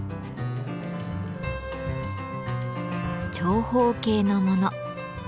長方形のもの。